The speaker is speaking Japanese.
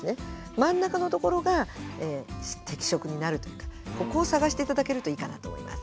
真ん中のところが適職になるというかここを探して頂けるといいかなと思います。